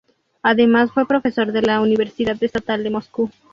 Además fue profesor de la Universidad Estatal de Moscú.